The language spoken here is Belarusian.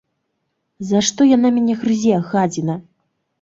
За што яна мяне грызе, гадзіна!